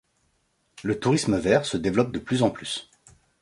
Le tourisme vert se développe de plus en plus.